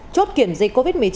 chốt kiểm dịch covid một mươi chín